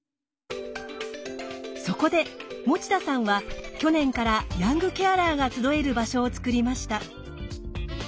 そこで持田さんは去年からヤングケアラーが集える場所を作りました。